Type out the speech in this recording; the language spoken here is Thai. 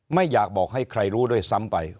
ไม่อยากบอกให้ใครรู้ด้วยซ้ำไป